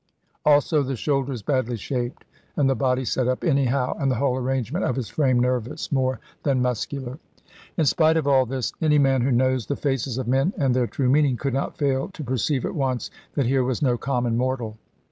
Also the shoulders badly shaped, and the body set up anyhow; and the whole arrangement of his frame nervous, more than muscular. In spite of all this, any man who knows the faces of men, and their true meaning, could not fail to perceive at once that here was no common mortal.